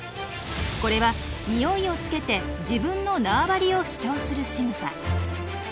これはニオイをつけて自分の縄張りを主張するしぐさ。